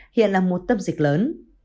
hiện là một tâm dịch lớn